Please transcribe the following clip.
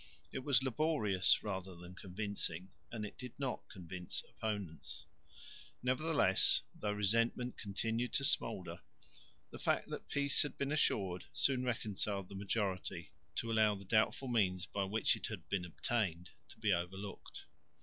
It was laborious rather than convincing, and it did not convince opponents. Nevertheless, though resentment continued to smoulder, the fact that peace had been assured soon reconciled the majority to allow the doubtful means by which it had been obtained to be overlooked.